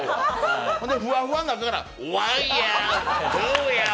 ほんでふわふわのなかからワンヤー、ツーヤー。